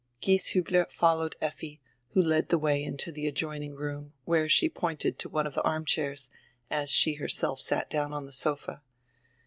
Gieshiibler followed Effi, who led die way into die adjoin ing room, where she pointed to one of die arm chairs, as she herself sat down on the sofa.